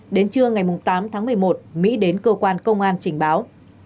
đến trưa ngày tám tháng một mươi một mỹ đến cơ quan công an trình báo